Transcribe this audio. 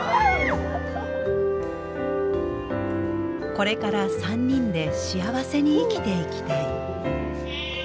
これから３人で幸せに生きていきたい。